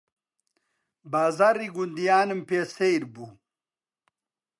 بازاڕی گوندیانم پێ سەیر بوو